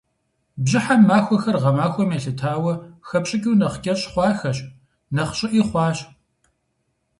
Бжьыхьэм махуэхэр, гъэмахуэм елъытауэ, хэпщӏыкӏыу нэхъ кӏэщӏ хъуахэщ, нэхъ щӏыӏи хъуащ.